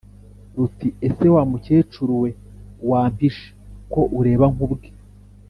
ruti:” ese wa mukecuru we wampishe ko ureba nkubwe!